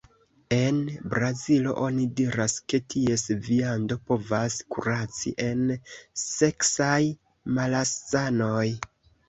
En Brazilo oni diras, ke ties viando povas kuraci el seksaj malsanoj.